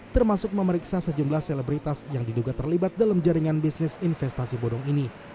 termasuk memeriksa sejumlah selebritas yang diduga terlibat dalam jaringan bisnis investasi bodong ini